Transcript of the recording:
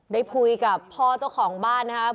ได้คุยกับพ่อเจ้าของบ้านนะครับ